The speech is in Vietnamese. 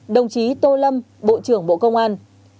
một mươi đồng chí tô lâm bộ trưởng bộ công an